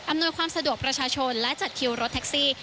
นวยความสะดวกประชาชนและจัดคิวรถแท็กซี่